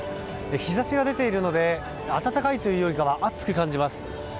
日差しが出ているので暖かいというよりかは暑く感じます。